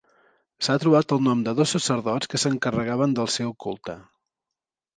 S'ha trobat el nom de dos sacerdots que s'encarregaven del seu culte.